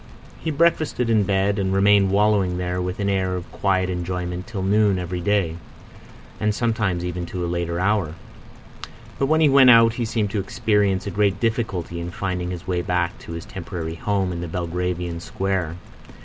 He breakfasted in bed, and remained wallowing there with an air of quiet enjoyment till noon every day—and sometimes even to a later hour. But when he went out he seemed to experience a great difficulty in finding his way back to his temporary home in the Belgravian square.